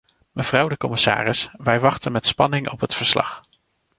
Mevrouw de commissaris, wij wachten met spanning op het verslag.